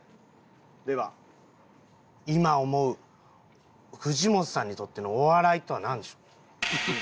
では今思う藤本さんにとってのお笑いとはなんでしょう？